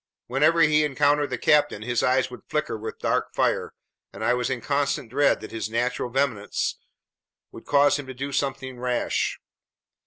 Whenever he encountered the captain, his eyes would flicker with dark fire, and I was in constant dread that his natural vehemence would cause him to do something rash.